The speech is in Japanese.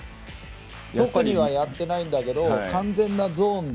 特にはやってないんだけど完全なゾーンで。